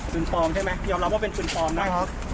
ปืนปลอมใช่ไหมยอมรับว่าเป็นปืนปลอมนะ